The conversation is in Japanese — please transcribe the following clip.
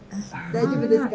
大丈夫ですか？